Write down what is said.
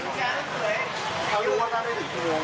ต้องมาเซือสีดีที่แรก